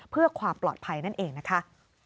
เพื่อความปลอดภัยนั่นเองนะคะ